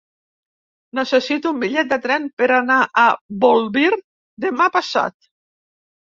Necessito un bitllet de tren per anar a Bolvir demà passat.